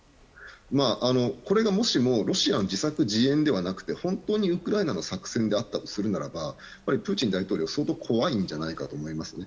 これがもしもロシアの自作自演ではなくて本当にウクライナの作戦だったとするならプーチン大統領は相当怖いんじゃないかと思いますね。